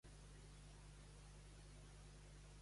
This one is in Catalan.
Com a resultat, Joplin va rebre el sobrenom de "Rei del Ragtime".